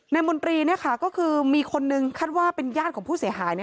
มนตรีก็คือมีคนนึงคาดว่าเป็นญาติของผู้เสียหาย